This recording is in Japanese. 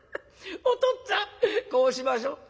お父っつぁんこうしましょう。